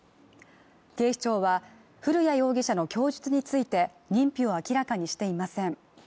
警視庁は古谷容疑者の供述について認否を明らかにしていません